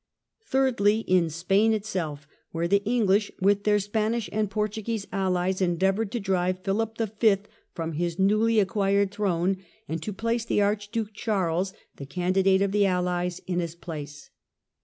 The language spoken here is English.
Thirdly, in Spain itself, where the English, with their Spanish and Portuguese allies, endeavoured to drive Philip V. from his newly acquired throne, and to place the Archduke Charles — the candidate of the Allies — in his place.